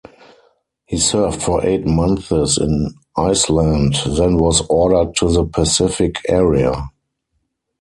He served for eight months in Iceland, then was ordered to the Pacific area.